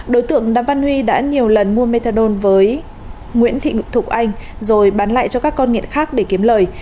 đối tượng đàm văn huy đã nhiều lần mua methadone với nguyễn thị thục anh rồi bán lại cho các con nghiện khác để kiếm lời